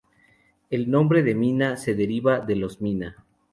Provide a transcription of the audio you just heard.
El nombre de Mina se deriva de los mina.